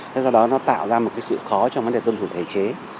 thế do đó nó tạo ra một cái sự khó trong vấn đề tuân thủ thể chế